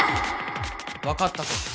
わかったぞ。